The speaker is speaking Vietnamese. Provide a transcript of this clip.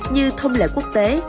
như thông lệ quốc tế